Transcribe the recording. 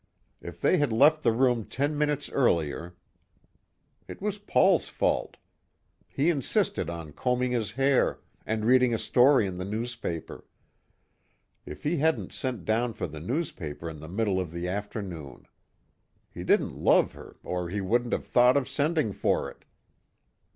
If they had left the room ten minutes earlier. It was Paul's fault. He insisted on combing his hair, and reading a story in the newspaper. If he hadn't sent down for the newspaper in the middle of the afternoon. He didn't love her or he wouldn't have thought of sending for it.